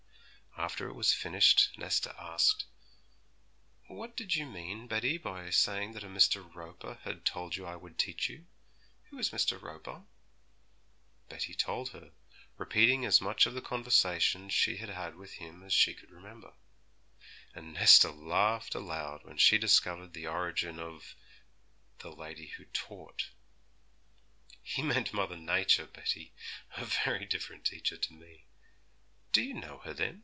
After it was finished Nesta asked, 'What did you mean, Betty, by saying that a Mr. Roper had told you I would teach you? Who is Mr. Roper?' Betty told her, repeating as much of the conversation she had had with him as she could remember; and Nesta laughed aloud when she discovered the origin of the 'lady who taught.' 'He meant Mother Nature, Betty; a very different teacher to me.' 'Do you know her, then?